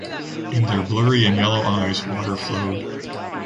In their blurry and yellow eyes, water flowed.